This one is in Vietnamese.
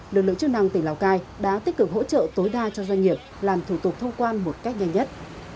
lực lượng chức năng tỉnh lào cai đã tích cực hỗ trợ tối đa cho doanh nghiệp làm thủ tục thông quan một cách nhanh nhất